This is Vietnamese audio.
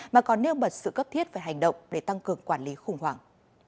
mà còn nêu bật sự cấp thiết về hành động để tăng cường quản lý khủng hoảng